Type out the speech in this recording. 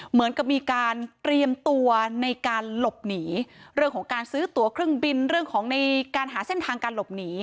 เหมือนกับมีการเตรียมตัวในการหลบหนีเรื่องของการซื้อตัวเครื่องบินเรื่องของในการหาเส้นทางการหลบหนี